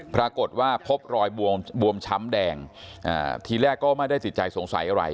ปรากฏว่าพบรอยบวมบวมช้ำแดงทีแรกก็ไม่ได้ติดใจสงสัยอะไร